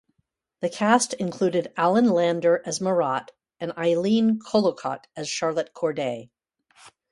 The cast included Alan Lander as Marat and Eileen Colocott as Charlotte Corday.